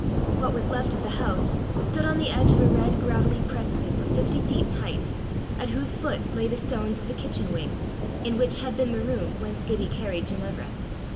What was left of the house stood on the edge of a red gravelly precipice of fifty feet in height, at whose foot lay the stones of the kitchen wing, in which had been the room whence Gibbie carried Ginevra.